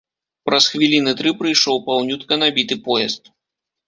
Праз хвіліны тры прыйшоў паўнютка набіты поезд.